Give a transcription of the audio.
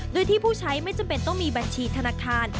โดยที่ผู้ใช้ไม่จำเป็นต้องมีบัญชีธนาคาร